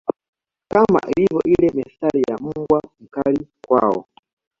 Kama ilivyo ile methali ya mbwa mkali kwao